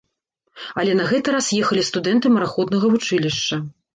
Але на гэты раз ехалі студэнты мараходнага вучылішча.